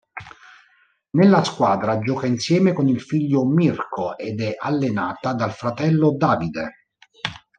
Nella squadra gioca insieme con il figlio Mirko ed è allenata dal fratello Davide.